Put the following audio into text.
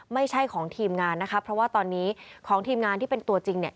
ไม่ใช่ของทีมงานนะคะเพราะว่าตอนนี้ของทีมงานที่เป็นตัวจริงเนี่ย